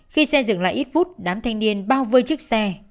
khi xe dừng lại ít phút đám thanh niên bao vây chiếc xe